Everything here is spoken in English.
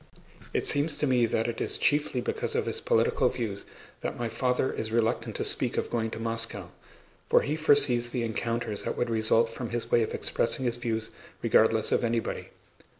It seems to me that it is chiefly because of his political views that my father is reluctant to speak of going to Moscow; for he foresees the encounters that would result from his way of expressing his views regardless of anybody.